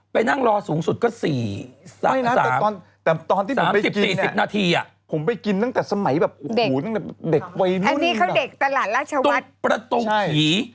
ไปนั่งรอสูงสุดก็สี่สามสี่สิบนาทีผมไปกินตั้งแต่สมัยแบบโอ้โหนั่งแต่เด็กเวย์นุ่นตรงประตูขี่